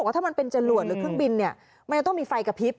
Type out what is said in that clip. ถ้ามันเป็นจรวดหรือถึกบินมันยังต้องมีไฟกระพิบ